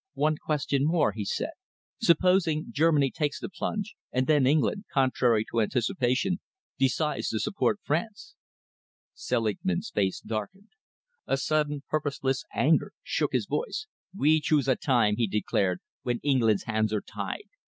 "One question more," he said. "Supposing Germany takes the plunge, and then England, contrary to anticipation, decides to support France?" Selingman's face darkened. A sudden purposeless anger shook his voice. "We choose a time," he declared, "when England's hands are tied.